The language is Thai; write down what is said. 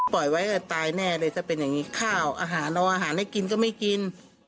ปล่อยไว้ก็ตายแน่เลยถ้าเป็นอย่างนี้ข้าวอาหารเอาอาหารให้กินก็ไม่กิน